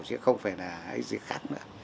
chứ không phải là cái gì khác nữa